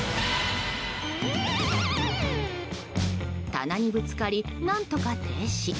棚にぶつかり、何とか停止。